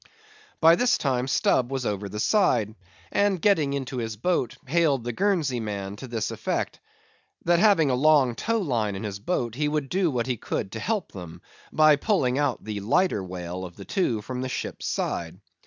By this time Stubb was over the side, and getting into his boat, hailed the Guernsey man to this effect,—that having a long tow line in his boat, he would do what he could to help them, by pulling out the lighter whale of the two from the ship's side.